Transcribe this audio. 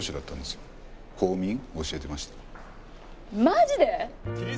マジで？